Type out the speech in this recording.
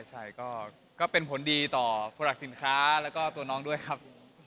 ใช่ก็เป็นผลดีต่อโปรดักต์สินค้าแล้วก็ตัวน้องด้วยครับ